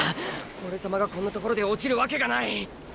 オレ様がこんなところでおちるわけがない！！